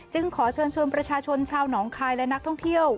ขอเชิญชวนประชาชนชาวหนองคายและนักท่องเที่ยว